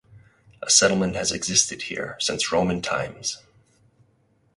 A settlement has existed here since Roman times.